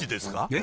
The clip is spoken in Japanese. え？